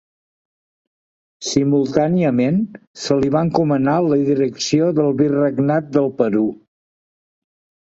Simultàniament, se li va encomanar la Direcció del Virregnat del Perú.